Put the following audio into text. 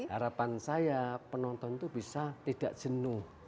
harapan saya penonton itu bisa tidak jenuh